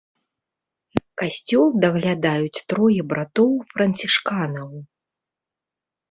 Касцёл даглядаюць трое братоў-францішканаў.